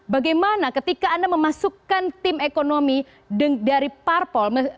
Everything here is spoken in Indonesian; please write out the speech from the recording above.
bagaimana ketika anda memasukkan tim ekonomi dari parpol